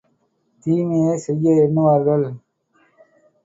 தீமையைச் செய்ய எண்ணுவார்கள்.